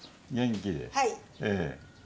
はい。